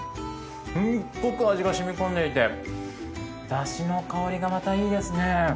すっごく味が染み込んでいてだしの香りがまたいいですね。